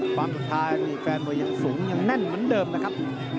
ความสุดท้ายนี่แฟนมวยยังสูงยังแน่นเหมือนเดิมนะครับ